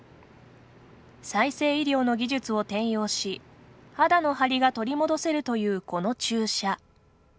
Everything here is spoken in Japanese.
再生医療の技術を転用し肌のハリが取り戻せるというこの注射。